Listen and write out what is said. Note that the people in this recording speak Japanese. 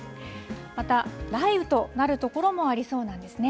また、雷雨となる所もありそうなんですね。